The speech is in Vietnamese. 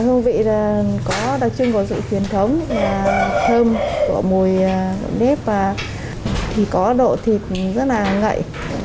hương vị có đặc trưng của sự truyền thống là thơm của mùi đếp và thì có độ thịt rất là ngậy